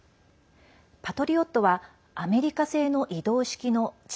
「パトリオット」はアメリカ製の移動式の地